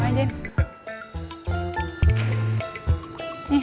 tapi dia udah mulai berpikir